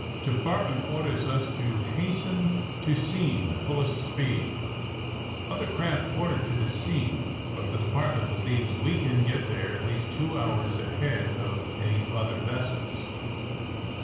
Department orders us to hasten to scene at full est speed. Other craft ordered to the scene, but the Department believes we can get there at least two hours ahead of any other vessels.